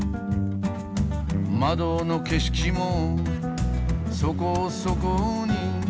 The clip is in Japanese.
「窓の景色もそこそこに」